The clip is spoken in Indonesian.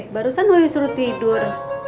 barusan lo yang suruh tidur